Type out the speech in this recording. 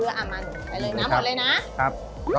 อ้าวมานี่ไปเลยน้ำหมดเลยนะ